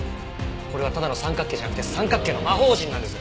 これはただの三角形じゃなくて三角形の魔方陣なんです。